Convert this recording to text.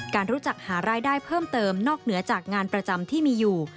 รู้จักหารายได้เพิ่มเติมนอกเหนือจากงานประจำที่มีอยู่